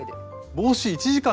帽子１時間で？